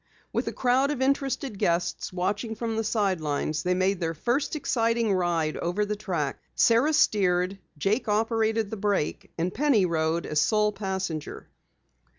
With a crowd of interested guests watching from the sidelines, they made their first exciting ride over the track. Sara steered, Jake operated the brake, and Penny rode as sole passenger.